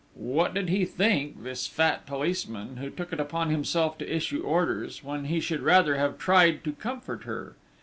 What did he think, this fat policeman, who took it upon himself to issue orders, when he should rather have tried to comfort her!